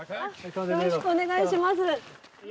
よろしくお願いします。